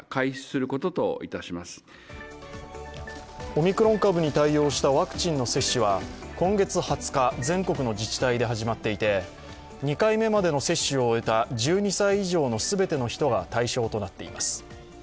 オミクロン株に対応したワクチンの接種は今月２０日、全国の自治体で始まっていて２回目までの接種を終えた１２歳以上の全ての人が対象となっています。